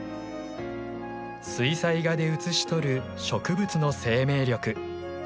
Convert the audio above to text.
水彩画で写し取る植物の生命力。